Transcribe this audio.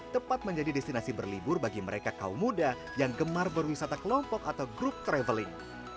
tepat menjadi destinasi berlibur bagi mereka kaum muda yang gemar berwisata kelompok atau grup traveling